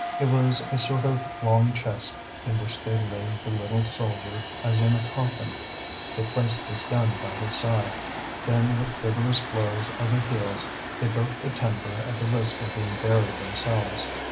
It was a sort of long chest in which they laid the little soldier as in a coffin; they placed his gun by his side; then with vigorous blows of their heels they broke the timber at the risk of being buried themselves.